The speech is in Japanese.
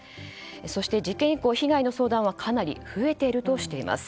そして事件以降被害の相談はかなり増えているとしています。